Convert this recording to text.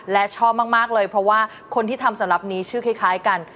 และชอบมากเลยเพราะว่าคนที่ทำสำหรับนี้ชื่อคล้ายกัน